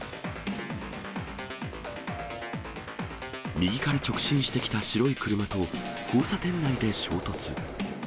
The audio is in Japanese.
右から直進してきた白い車と交差点内で衝突。